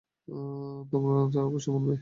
সে তোমার কথা অবশ্যই মানবে।